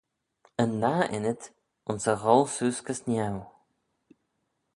Yn nah ynnyd, ayns e gholl seose gys niau.